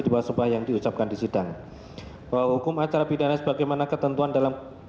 di bawah sebuah yang diucapkan di sidang bahwa hukum acara pidana sebagaimana ketentuan dalam